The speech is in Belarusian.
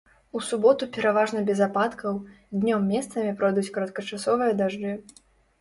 У суботу пераважна без ападкаў, днём месцамі пройдуць кароткачасовыя дажджы.